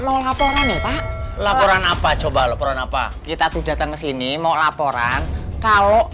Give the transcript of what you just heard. mau laporan nih pak laporan apa coba laporan apa kita tuh datang ke sini mau laporan kalau